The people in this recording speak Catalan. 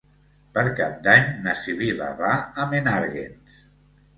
Per Cap d'Any na Sibil·la va a Menàrguens.